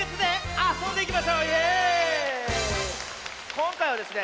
こんかいはですね